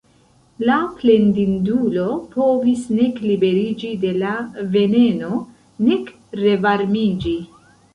La plendindulo povis nek liberiĝi de la veneno nek revarmiĝi.